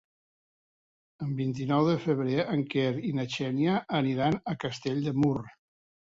El vint-i-nou de febrer en Quel i na Xènia aniran a Castell de Mur.